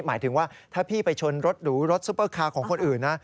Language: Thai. หมายถึงว่าถ้าพี่ไปชนรถหรูรถซุปเปอร์คาร์ของคนอื่นนะ